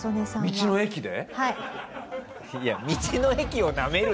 道の駅で。